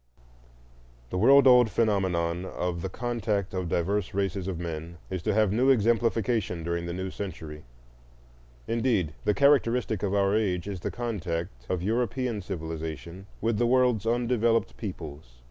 The world old phenomenon of the contact of diverse races of men is to have new exemplification during the new century. Indeed, the characteristic of our age is the contact of European civilization with the world's undeveloped peoples.